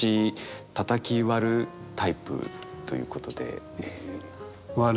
たたき割るタイプということで。